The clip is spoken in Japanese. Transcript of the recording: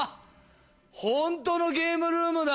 ホントのゲームルームだ。